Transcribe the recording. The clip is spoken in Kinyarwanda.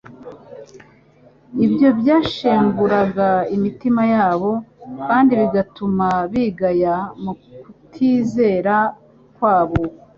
Ibyo byashenguraga imitima yabo, kandi bigatuma bigaya mu kutizera kwabo.